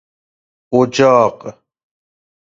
اجاق